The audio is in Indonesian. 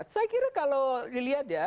saya kira kalau dilihat ya